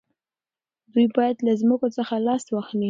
دوی باید له ځمکو څخه لاس واخلي.